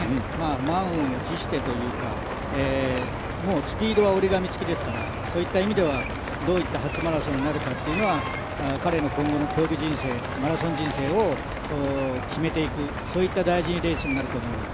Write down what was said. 満を持してというか、もうスピードは折り紙付きですからそういった意味では、どういった初マラソンになるかというのは彼の今後の競技人生、マラソン人生を決めていくそういった大事なレースになると思います。